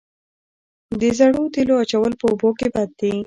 د زړو تیلو اچول په اوبو کې بد دي؟